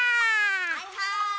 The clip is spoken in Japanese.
・はいはい！